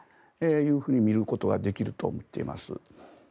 そう見ることができると思っています。